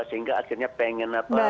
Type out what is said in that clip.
sehingga akhirnya pengen apa